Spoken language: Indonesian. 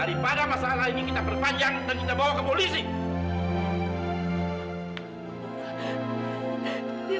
daripada masalah ini kita perpanjang dan kita bawa ke polisi